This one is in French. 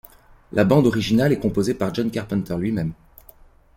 La bande originale est composée par John Carpenter lui-même.